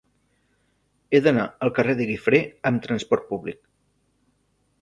He d'anar al carrer de Guifré amb trasport públic.